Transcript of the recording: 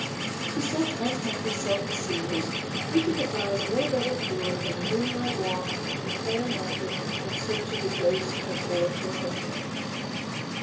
To such unhappy self deceivers we can advise no better cure than a moonlight walk in Clare Market in search of the ghost of Orator Henley.